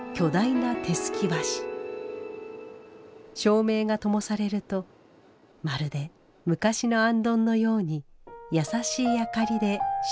照明がともされるとまるで昔の行灯のように優しい明かりで周囲を包みます。